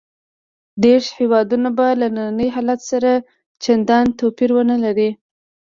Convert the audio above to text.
دېرش هېوادونه به له ننني حالت سره چندان توپیر ونه لري.